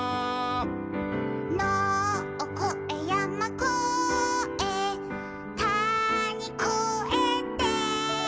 「のをこえやまこえたにこえて」